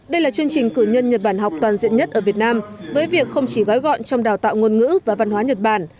đây là chương trình cử nhân nhật bản học toàn diện nhất ở việt nam với việc không chỉ gói gọn trong đào tạo ngôn ngữ và văn hóa nhật bản